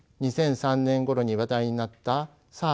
２００３年ごろに話題になったＳＡＲＳ